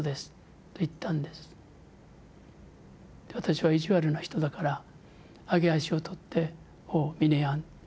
私は意地悪な人だから揚げ足を取ってミネヤン